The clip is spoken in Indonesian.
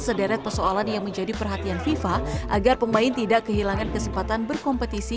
sederet persoalan yang menjadi perhatian fifa agar pemain tidak kehilangan kesempatan berkompetisi